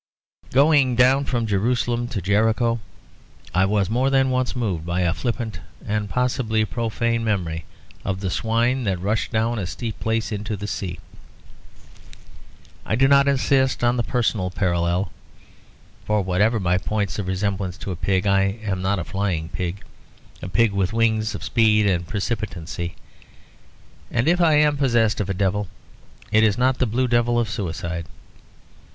Going down from Jerusalem to Jericho I was more than once moved by a flippant and possibly profane memory of the swine that rushed down a steep place into the sea. I do not insist on the personal parallel; for whatever my points of resemblance to a pig I am not a flying pig, a pig with wings of speed and precipitancy; and if I am possessed of a devil, it is not the blue devil of suicide.